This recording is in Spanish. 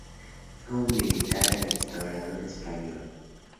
Fue un militar e historiador español.